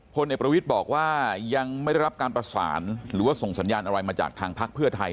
พลเอกประวิทย์บอกว่ายังไม่ได้รับการประสานหรือว่าส่งสัญญาณอะไรมาจากทางพักเพื่อไทย